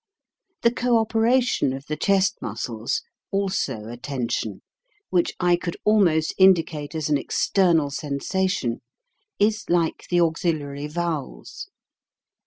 The co operation of the chest muscles also a tension which I could almost indicate as an external sensation, is like the auxiliary vowels.